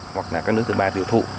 hoặc là các nước thứ ba tiêu thụ